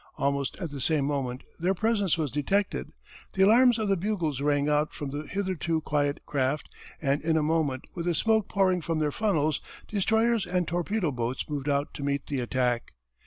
Almost at the same moment their presence was detected. The alarms of the bugles rang out from the hitherto quiet craft and in a moment with the smoke pouring from their funnels destroyers and torpedo boats moved out to meet the attack.